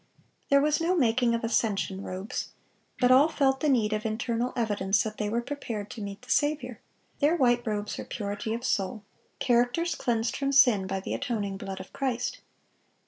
There was no making of "ascension robes;"(616) but all felt the need of internal evidence that they were prepared to meet the Saviour; their white robes were purity of soul,—characters cleansed from sin by the atoning blood of Christ.